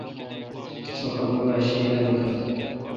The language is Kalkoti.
سو خفہ با شی دا نکھت۔